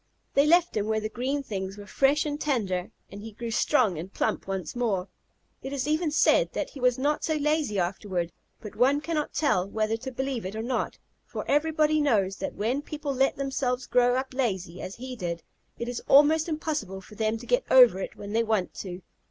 They left him where the green things were fresh and tender, and he grew strong and plump once more. It is even said that he was not so lazy afterward, but one cannot tell whether to believe it or not, for everybody knows that when people let themselves grow up lazy, as he did, it is almost impossible for them to get over it when they want to.